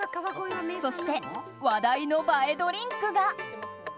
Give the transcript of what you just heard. そして話題の映えドリンクが。